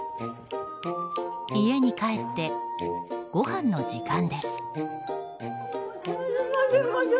家に帰ってごはんの時間です。